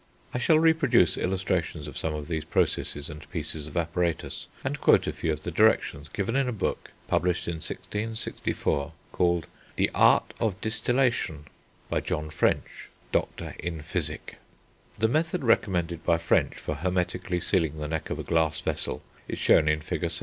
I shall reproduce illustrations of some of these processes and pieces of apparatus, and quote a few of the directions, given in a book, published in 1664, called The Art of Distillation, by John French, Dr. in Physick. The method recommended by French for hermetically sealing the neck of a glass vessel is shown in Fig.